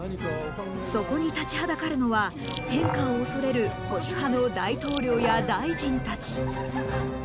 そこに立ちはだかるのは変化を恐れる保守派の大統領や大臣たち。